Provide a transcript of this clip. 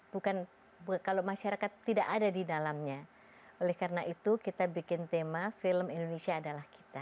bukan kalau masyarakat tidak ada di dalamnya oleh karena itu kita bikin tema film indonesia adalah kita